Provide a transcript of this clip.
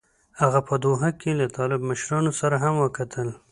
هغه په دوحه کې له طالب مشرانو سره هم وکتل.